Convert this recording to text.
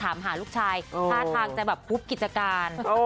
ถามหาลูกชายท่าทางจะแบบพุบกิจการ